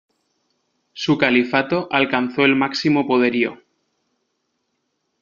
Su califato alcanzó el máximo poderío.